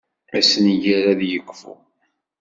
Assenger ad ikfu.